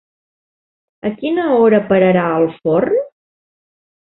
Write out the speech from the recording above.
A quina hora pararà el forn?